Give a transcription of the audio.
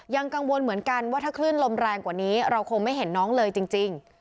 กังวลเหมือนกันว่าถ้าคลื่นลมแรงกว่านี้เราคงไม่เห็นน้องเลยจริง